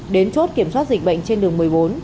đến chốt kiểm soát dịch bệnh trên đường một mươi bốn